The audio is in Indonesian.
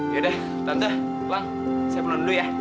yaudah tante pulang saya pulang dulu ya